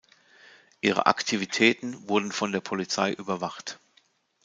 Ihre Aktivitäten wurden von der Polizei überwacht.